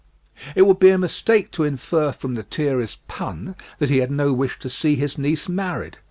It would be a mistake to infer from Lethierry's pun that he had no wish to see his niece married.